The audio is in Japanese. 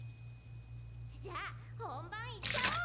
・じゃあ本番いっちゃおう！